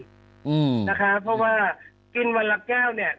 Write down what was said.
เพราะว่ากินวันละแก้วเนี่ย